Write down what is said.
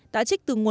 đã trích từng ngày